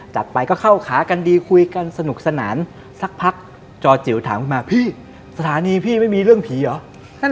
จัดไปก็เข้าขากันดีคุยกันสนุกสนานสักพักจอจิ๋วถามมาพี่สถานีพี่ไม่มีเรื่องผีเหรอ